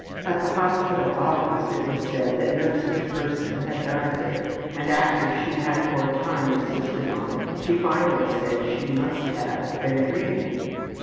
At the hospital office it was said that no such person had died there, and after she had for a time insisted on it she finally said she must have been dreaming.